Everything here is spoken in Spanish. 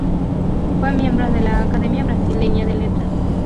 Fue miembro de la Academia Brasileña de Letras.